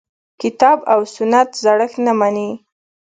کتاب او سنت زړښت نه مني.